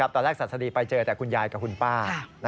ตอนแรกศาสดีไปเจอแต่คุณยายกับคุณป้า